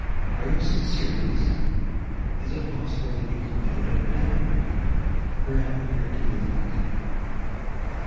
"Are you sincere, niece?" "Is it possible you can doubt it, madam?" Her aunt appeared to be affected.